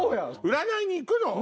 占いに行くの！